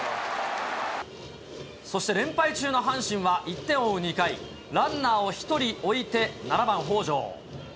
そして連敗中の阪神は、１点を追う２回、ランナーを１人置いて、７番北條。